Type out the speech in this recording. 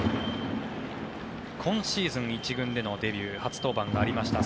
今シーズン、１軍でのデビュー初登板がありました。